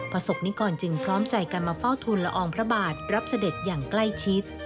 ประสบนิกรจึงพร้อมใจกันมาเฝ้าทุนละอองพระบาทรับเสด็จอย่างใกล้ชิด